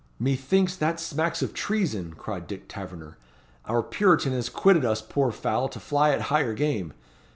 "Methinks that smacks of treason," cried Dick Taverner. "Our Puritan has quitted us poor fowl to fly at higher game.